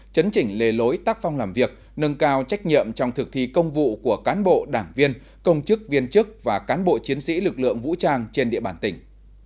chấn chỉnh lề lối tác phong làm việc nâng cao trách nhiệm trong thực thi công vụ của cán bộ đảng viên công chức viên chức và cán bộ chiến sĩ lực lượng vũ trang trên địa bàn tỉnh